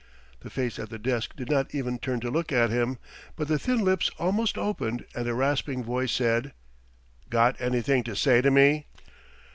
The face at the desk did not even turn to look at him, but the thin lips almost opened and a rasping voice said: "Got anything to say to me?"